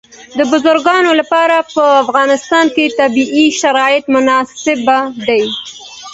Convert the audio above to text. د بزګانو لپاره په افغانستان کې طبیعي شرایط مناسب دي.